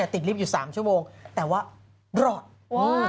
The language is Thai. ติดรีบอยู่๓ชั่วโมงแต่ว่ารอด